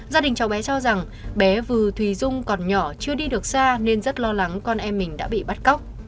gia đình cháu bé cho rằng bé vừ thùy dung còn nhỏ chưa đi được xa nên rất lo lắng con em mình đã bị bắt cóc